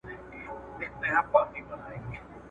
همېشه به یې تور ډک وو له مرغانو ..